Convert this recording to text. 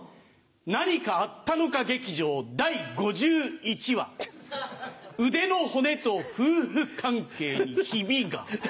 何かあったのか劇場第５１話「腕の骨と夫婦関係にひびが」。